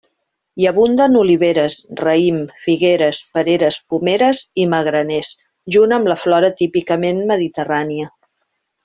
Hi abunden oliveres, raïm, figueres, pereres, pomeres i magraners, junt amb la flora típicament mediterrània.